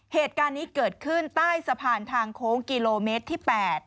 เหตุการณ์นี้เกิดขึ้นใต้สะพานทางโค้งกิโลเมตรที่๘